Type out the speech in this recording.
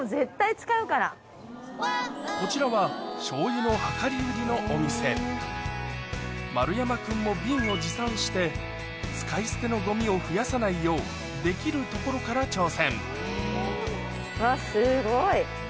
こちらはしょうゆの量り売りのお店丸山君も瓶を持参して使い捨てのゴミを増やさないようできるところから挑戦うわすごい。